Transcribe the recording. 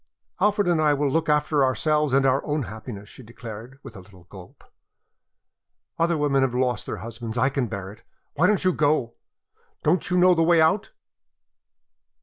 "Alfred and I will look after ourselves and our own happiness," she declared, with a little gulp. "Other women have lost their husbands. I can bear it. Why don't you go? Don't you know the way out?"